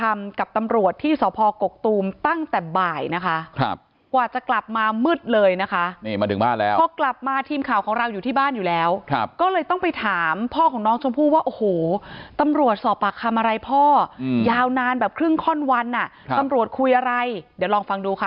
มาทีมข่าวของเราอยู่ที่บ้านอยู่แล้วก็เลยต้องไปถามพ่อของน้องชมพว่าโอ้โหตำรวจสอบปากคำอะไรพ่อยาวนานแบบครึ่งข้อนวันอ่ะตำรวจคุยอะไรเดี๋ยวลองฟังดูค่ะ